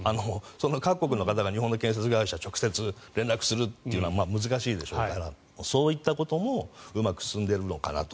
その各国の方が日本の建設会社に直接連絡するのは難しいでしょうからそういったこともうまく進んでいるのかなと。